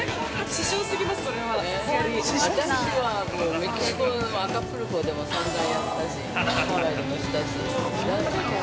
◆メキシコのアカプルコでも、さんざんやったし、ハワイでもしたし。